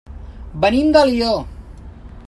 Venim d'Alió.